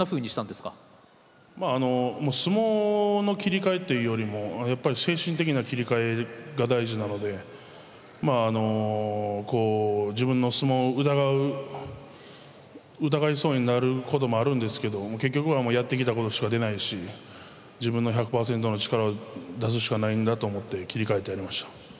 まああの相撲の切り替えっていうよりもやっぱり精神的な切り替えが大事なのでこう自分の相撲を疑う疑いそうになることもあるんですけど結局はもうやってきたことしか出ないし自分の１００％の力を出すしかないんだと思って切り替えてやりました。